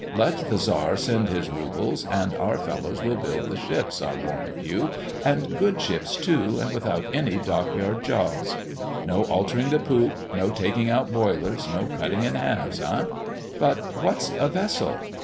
Let the Czar send his roubles, and our fellows will build the ships, I warrant you, and good ships too, and without any dockyard jobs. No altering the poop, no taking out boilers, no cutting in halves, eh? But what's a vessel?